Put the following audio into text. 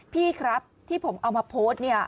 พี่ครับที่ผมเอามาโพสต์เนี่ย